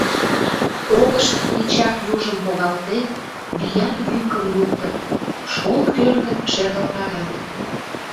Оҥышт тичак южым погалтен, виян йӱкым луктыт, школ кӧргым шергылтарат.